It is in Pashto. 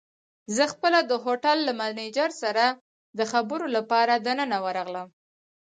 زه خپله د هوټل له مېنېجر سره د خبرو لپاره دننه ورغلم.